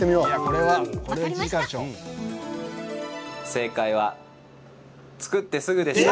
正解は、作ってすぐでした。